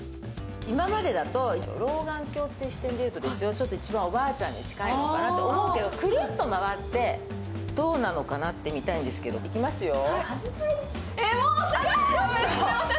今までだと老眼鏡って視点で見ると、一番おばあちゃんに近いのかなと思うけどくるっと回って、どうなのかなって見たいんですけど、いきますよ。